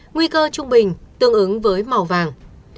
nguy cơ trung bình tương ứng với màu vàng